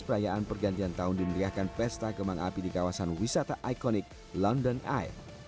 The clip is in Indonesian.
perayaan pergantian tahun dimeriahkan pesta kembang api di kawasan wisata ikonik london eye